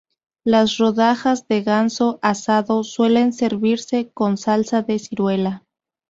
Las rodajas de ganso asado suelen servirse con salsa de ciruela.